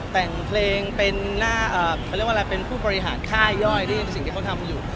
แต่งเพลงเป็นหน้าเขาเรียกว่าอะไรเป็นผู้บริหารค่ายย่อยที่เป็นสิ่งที่เขาทำอยู่